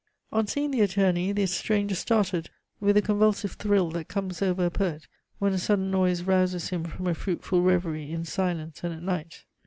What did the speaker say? On seeing the attorney, the stranger started, with the convulsive thrill that comes over a poet when a sudden noise rouses him from a fruitful reverie in silence and at night.